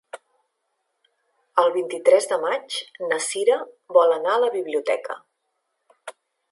El vint-i-tres de maig na Cira vol anar a la biblioteca.